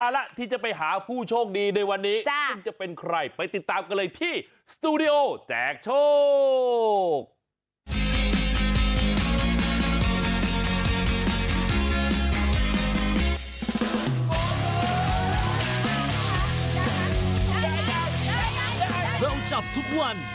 เอาล่ะที่จะไปหาผู้โชคดีในวันนี้คุณจะเป็นใครไปติดตามกันเลยที่สตูดิโอแจกโชค